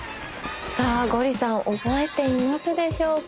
さあゴリさん覚えていますでしょうか？